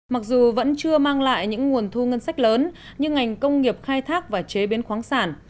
mặc dù vẫn chưa mang lại những nguồn thu ngân sách lớn nhưng ngành công nghiệp khai thác và chế biến khoáng sản